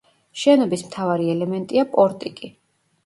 შენობის მთავარი ელემენტია პორტიკი.